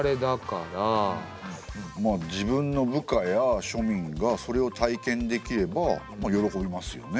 まあ自分の部下や庶民がそれを体験できればまあ喜びますよね。